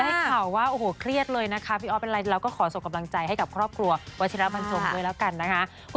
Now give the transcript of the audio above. ให้ข่าวว่าโอ้โหเครียดเลยนะคะพี่ออฟเป็นอะไรเราก็ขอส่งกำลังใจให้กับครอบครัววัชิระบันทรงด้วยแล้วกันนะคะ